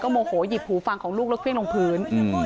ก็โมโหหยิบหูฟังของลูกลึกเพี้ยงลงพื้น